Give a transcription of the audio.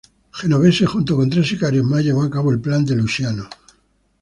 Genovese, junto con tres sicarios más, llevó a cabo el plan de Luciano.